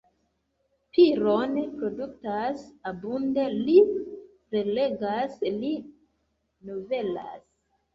Piron produktas abunde, li prelegas, li novelas.